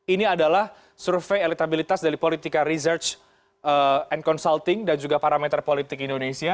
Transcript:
ini adalah survei elektabilitas dari politika research and consulting dan juga parameter politik indonesia